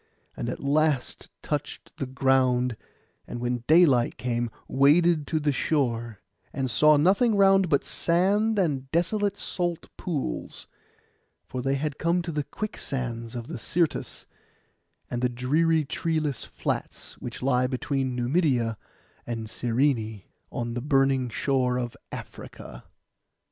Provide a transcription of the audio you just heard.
And at last touched the ground, and when daylight came waded to the shore; and saw nothing round but sand and desolate salt pools, for they had come to the quicksands of the Syrtis, and the dreary treeless flats which lie between Numidia and Cyrene, on the burning shore of Africa.